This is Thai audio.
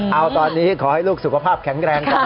เอาตอนนี้ขอให้ลูกสุขภาพแข็งแรงก่อน